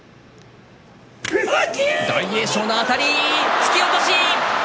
突き落とし。